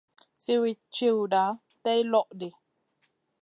Siwitna tchiwda tay lo ɗi.